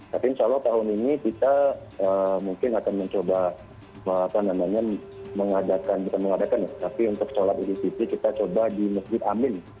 tapi insya allah tahun ini kita mungkin akan mencoba mengadakan bukan mengadakan ya tapi untuk sholat idul fitri kita coba di masjid amin